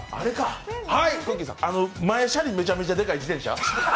前車輪めちゃめちゃでかい自転車？